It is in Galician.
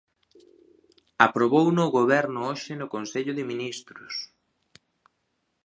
Aprobouno o Goberno hoxe no Consello de Ministros.